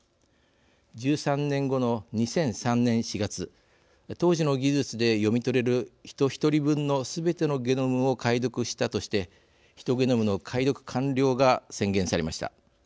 １３年後の２００３年４月当時の技術で読み取れるヒト１人分のすべてのゲノムを解読したとしてヒトゲノムの解読完了が宣言されました。